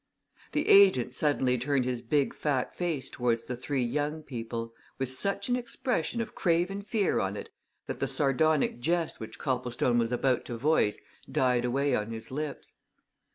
The agent suddenly turned his big fat face towards the three young people, with such an expression of craven fear on it that the sardonic jest which Copplestone was about to voice died away on his lips.